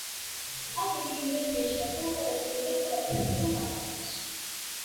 აქ იგი გიჟად მიიჩნიეს და სადაც მივიდა ყველა თეატრიდან გამოაგდეს.